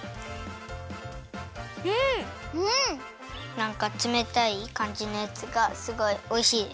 なんかつめたいかんじのやつがすごいおいしいです。